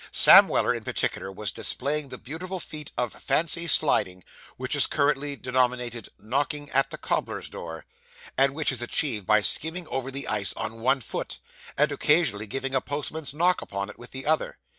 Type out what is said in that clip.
Sam Weller, in particular, was displaying that beautiful feat of fancy sliding which is currently denominated 'knocking at the cobbler's door,' and which is achieved by skimming over the ice on one foot, and occasionally giving a postman's knock upon it with the other.